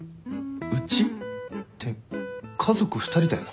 うちって家族２人だよな？